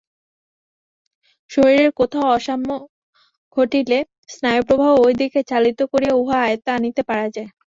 শরীরের কোথাও অসাম্য ঘটিলে স্নায়ুপ্রবাহ ঐ দিকে চালিত করিয়া উহা আয়ত্তে আনিতে পারা যায়।